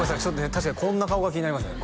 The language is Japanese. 確かに「こんな顔」が気になりますね